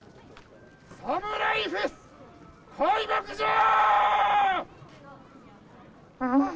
サムライフェス開幕じゃー！